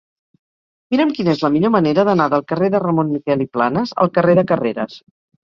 Mira'm quina és la millor manera d'anar del carrer de Ramon Miquel i Planas al carrer de Carreras.